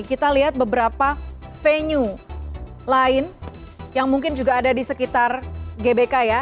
kita lihat beberapa venue lain yang mungkin juga ada di sekitar gbk ya